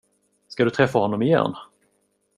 Ska du träffa honom igen?